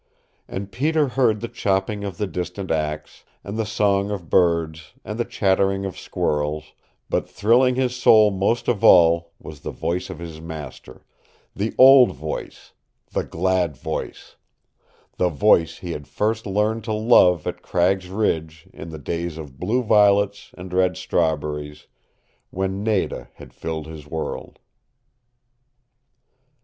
And Peter heard the chopping of the distant axe, and the song of birds, and the chattering of squirrels but thrilling his soul most of all was the voice of his master, the old voice, the glad voice, the voice he had first learned to love at Cragg's Ridge in the days of blue violets and red strawberries, when Nada had filled his world.